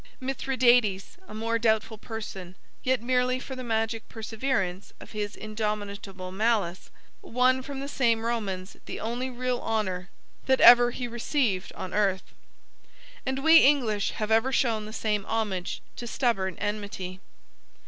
Mithridates a more doubtful person yet, merely for the magic perseverance of his indomitable malice, won from the same Romans the only real honor that ever he received on earth. And we English have ever shown the same homage to stubborn enmity.